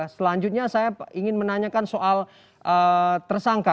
selanjutnya saya ingin menanyakan soal tersangka